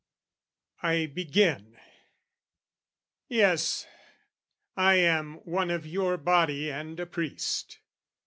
I begin. Yes, I am one of your body and a priest.